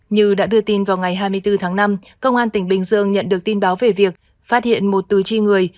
như đã đưa tin vào ngày hai mươi bốn tháng năm công an tỉnh bình dương nhận được tin báo về việc phát hiện một từ chi người